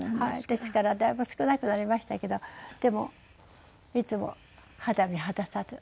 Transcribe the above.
ですからだいぶ少なくなりましたけどでもいつも肌身離さず持って歩きました。